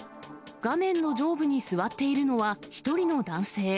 画面の上部に座っているのは、１人の男性。